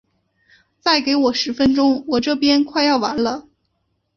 再给我十分钟，我这边快要完了。